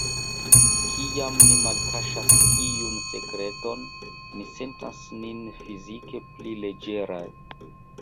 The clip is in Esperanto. Kiam ni malkaŝas iun sekreton, ni sentas nin fizike pli leĝeraj.